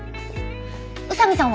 宇佐見さんは？